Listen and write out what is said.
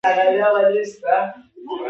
د خپل هیواد سفارت پته له ځانه سره ولره.